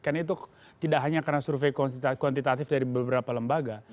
karena itu tidak hanya karena survei kuantitatif dari beberapa lembaga